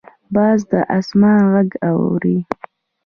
باز د اسمان غږ اوري